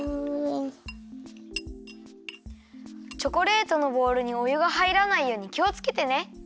チョコレートのボウルにおゆがはいらないようにきをつけてね。